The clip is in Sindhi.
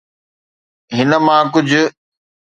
هن مان ڪجهه